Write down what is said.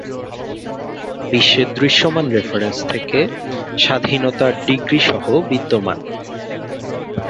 বিশ্বের দৃশ্যমান রেফারেন্স থেকে স্বাধীনতার ডিগ্রী সহ বিদ্যমান।